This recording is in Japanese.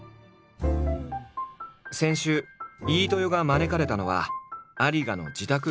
先週飯豊が招かれたのは有賀の自宅キッチン。